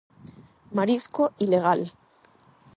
Marisco ilegal.